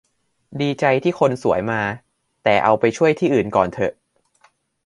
ดีใจที่คนสวยมา แต่เอาไปช่วยที่อื่นก่อนเถอะ